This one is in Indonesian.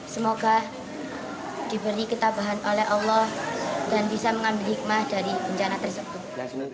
semoga diberi ketabahan oleh allah dan bisa mengambil hikmah dari bencana tersebut